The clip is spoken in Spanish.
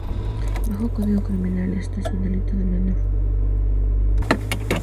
Bajo código criminal, esto es un delito menor.